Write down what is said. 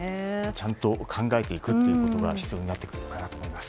ちゃんと考えていくことが必要になってくると思います。